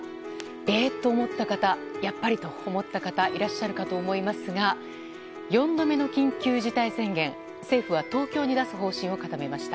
えーと思った方やっぱりと思った方いらっしゃるかと思いますが４度目の緊急事態宣言政府は東京に出す方針を固めました。